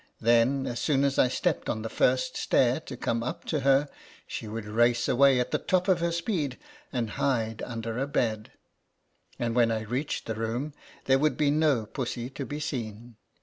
Then as soon as I stepped on the first stair to 1 2 INTR OD UCTION. come up to her, she would race away at the top of her speed, and hide under a bed ; and when I reached the room, there would be no Pussy to be seen.